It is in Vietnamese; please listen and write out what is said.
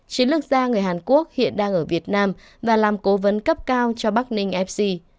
chiến lược gia người hàn quốc hiện đang ở việt nam và làm cố vấn cấp cao cho bắc ninh fc